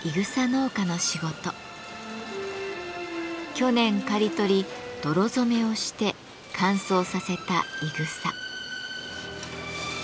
去年刈り取り泥染めをして乾燥させたいぐさ。